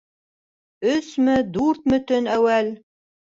— Өсмө, дүртме төн әүәл.